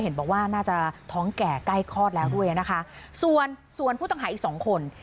เห็นบอกว่าน่าจะท้องแก่ใกล้คลอดแล้วด้วยนะคะส่วนส่วนผู้ต้องหาอีกสองคน